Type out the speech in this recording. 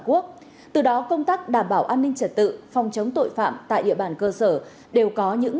quốc từ đó công tác đảm bảo an ninh trật tự phòng chống tội phạm tại địa bàn cơ sở đều có những